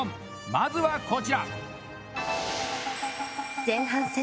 まずは、こちら！